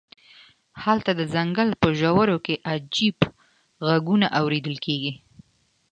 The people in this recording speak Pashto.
هلته د ځنګل په ژورو کې عجیب غږونه اوریدل کیږي